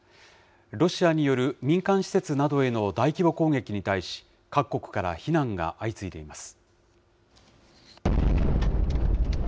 ロシアによる民間施設などへの大規模攻撃に対し、各国から非難が相次いでいます。